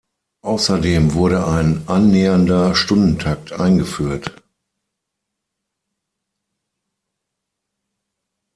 Außerdem wurde ein annähernder Stundentakt eingeführt.